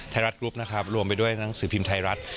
ไทยรัฐกรุ๊ปนะครับรวมไปด้วยหนังสือพิมพ์ไทยรัฐ